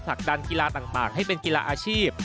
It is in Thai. ดันกีฬาต่างให้เป็นกีฬาอาชีพ